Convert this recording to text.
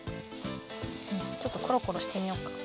うんちょっとコロコロしてみよっか。